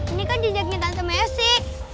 ini kan jejaknya tante messi